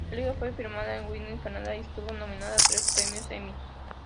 La película fue filmada en Winnipeg, Canadá, y estuvo nominada a tres premios Emmy.